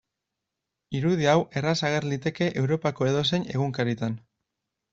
Irudi hau erraz ager liteke Europako edozein egunkaritan.